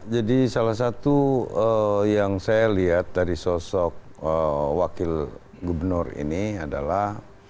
salah satu yang saya lihat dari sosok wakil gubernur ini adalah